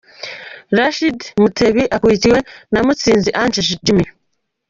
Rachid Mutebi akurikiwe na Mutsinzi Ange Jimmy.